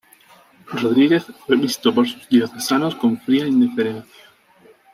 Rodríguez fue visto por sus diocesanos con fría indiferencia.